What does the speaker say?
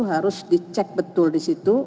harus dicek betul di situ